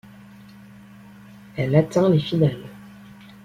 Elle atteint les finales.